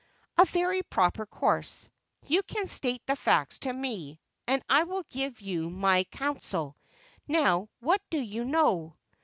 "A very proper course. You can state the facts to me, and I will give you my counsel. Now what do you know?"